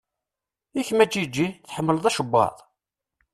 I kemm a Ǧiǧi? Tḥemmleḍ acebbaḍ?